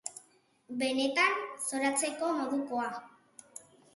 Benetan, zoratzeko modukoa.